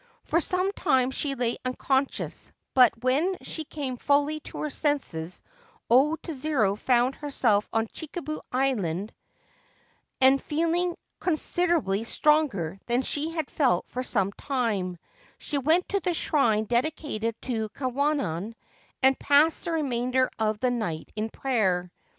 For some time she lay unconscious ; bu when she came fully to her senses O Tsuru found hersel on Chikubu Island, and, feeling considerably stronge than she had felt for some time, she went to the shrin dedicated to Kwannon, and passed the remainder of th night in prayer.